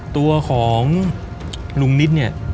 ตัวของลุงนิดเนี่ย